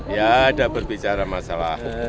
ya ada berbicara masalah